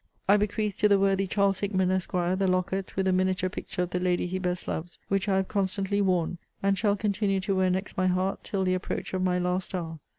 * Ibid. I bequeath to the worthy Charles Hickman, Esq. the locket, with the miniature picture of the lady he best loves, which I have constantly worn, and shall continue to wear next my heart till the approach of my last hour.